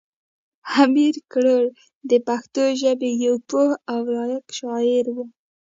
امیر کروړ د پښتو ژبې یو پوه او لایق شاعر و.